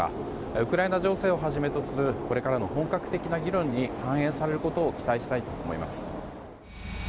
ウクライナ情勢をはじめとするこれからの本格的な議論に反映されることを期待したいと思います。